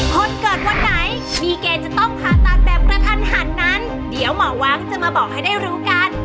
คนเกิดวันไหนมีเกณฑ์จะต้องผ่าตัดแบบกระทันหันนั้นเดี๋ยวหมอว้างจะมาบอกให้ได้รู้กัน